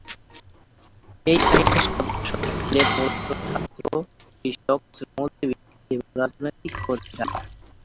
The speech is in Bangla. এই বাহিনীর সদস্যরা ছিলো মূলত ছাত্র, কৃষক, শ্রমজীবী এবং রাজনৈতিক কর্মীরা।